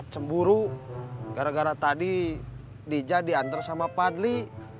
cemburu gara gara tadi dija diantar sama padli